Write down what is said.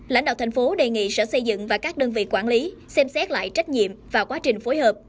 lãnh đạo thành phố đề nghị sở xây dựng và các đơn vị quản lý xem xét lại trách nhiệm và quá trình phối hợp